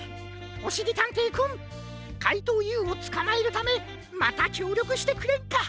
おしりたんていくんかいとうＵをつかまえるためまたきょうりょくしてくれんか。